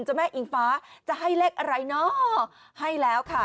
เจ้าแม่อิงฟ้าจะให้เลขอะไรเนาะให้แล้วค่ะ